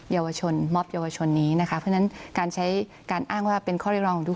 เยาวชนมอบเยาวชนนี้นะคะเพราะฉะนั้นการใช้การอ้างว่าเป็นข้อเรียกร้องของทุก